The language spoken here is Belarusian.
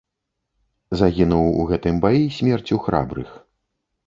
Загінуў у гэтым баі смерцю храбрых.